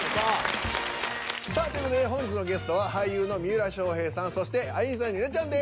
さあという事で本日のゲストは俳優の三浦翔平さんそしてアインシュタインの稲ちゃんです。